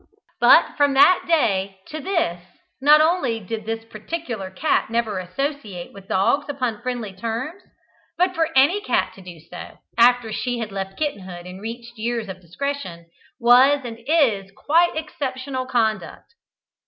But from that day to this not only did this particular cat never associate with dogs upon friendly terms, but for any cat to do so, after she had left kittenhood and reached years of discretion, was and is quite exceptional conduct.